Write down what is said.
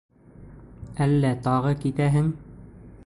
Әллә тағы китәһең?